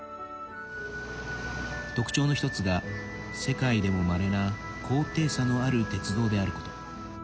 特徴の１つが、世界でもまれな高低差のある鉄道であること。